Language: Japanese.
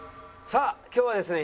さあ今日はですね